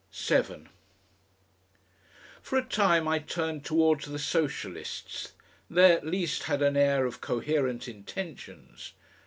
7 For a time I turned towards the Socialists. They at least had an air of coherent intentions.